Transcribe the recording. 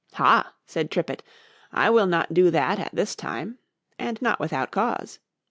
——Ha! said Tripet, I will not do that at this time,—and not without cause.